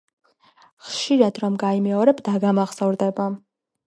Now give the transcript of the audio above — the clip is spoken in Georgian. ხშირად რომ გაიმეორებ დაგამახსოვრდება